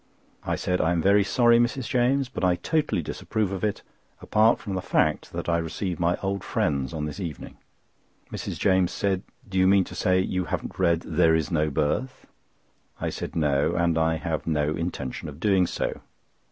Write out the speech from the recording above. I said: "I am very sorry Mrs. James, but I totally disapprove of it, apart from the fact that I receive my old friends on this evening." Mrs. James said: "Do you mean to say you haven't read There is no Birth?" I said: "No, and I have no intention of doing so."